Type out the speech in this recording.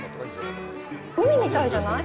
海みたいじゃない？